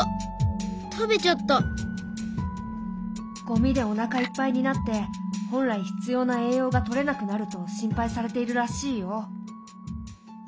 ゴミでおなかいっぱいになって本来必要な栄養がとれなくなると心配されているらしいよ。